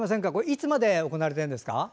いつまで行われているんですか？